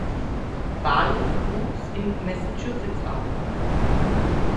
Barlow wuchs in Massachusetts auf.